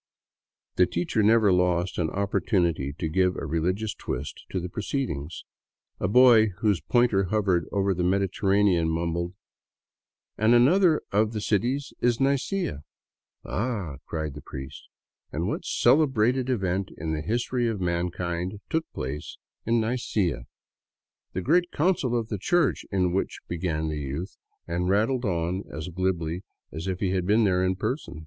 The teacher never lost an opportunity to give a religious twist to the proceedings. A boy whose pointer hovered over the Mediterranean mumbled :" And another of the cities is Nicea. ..."" Ah,'^ cried the priest, " And what celebrated event in the history of mankind took place in Nicea?" " The great Council of the Church in which ..." began the youth, and rattled on as glibly as if he had been there in person.